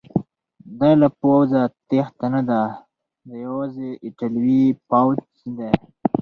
دا له پوځه تیښته نه ده، دا یوازې ایټالوي پوځ دی.